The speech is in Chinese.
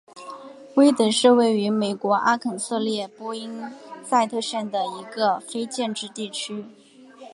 威德是位于美国阿肯色州波因塞特县的一个非建制地区。